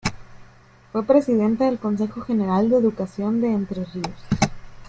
Fue Presidenta del Consejo General de Educación de Entre Ríos.